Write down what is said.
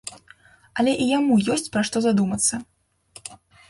Але і яму ёсць пра што задумацца.